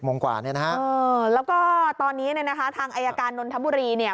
โมงกว่าเนี่ยนะฮะเออแล้วก็ตอนนี้เนี่ยนะคะทางอายการนนทบุรีเนี่ย